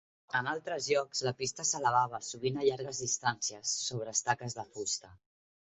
En altres llocs, la pista s'elevava, sovint a llargues distàncies, sobre estaques de fusta.